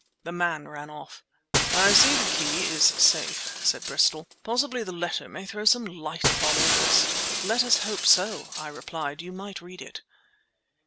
The man ran off. "I see the key is safe," said Bristol. "Possibly the letter may throw some light upon all this." "Let us hope so," I replied. "You might read it."